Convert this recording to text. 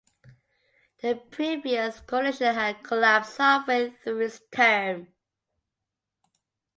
The previous coalition had collapsed halfway through its term.